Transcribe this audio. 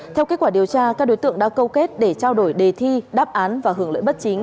theo kết quả điều tra các đối tượng đã câu kết để trao đổi đề thi đáp án và hưởng lợi bất chính